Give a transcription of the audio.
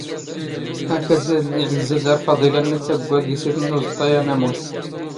ⴰⴽⴰⴷ ⵢⴰⴷⵍⵍⵉ ⵉⵄⵣⵣⴰ ⴷⴰⵔ ⴼⴰⴹⵉⵍ ⴰⴷ ⵏⵏ ⵉⵜⵜⴰⴳⴳⵯⴰ ⴳ ⵉⵙⵉⵜⵏ ⵏ ⵓⵥⵟⵟⴰ ⴰⵏⴰⵎⵓⵏ.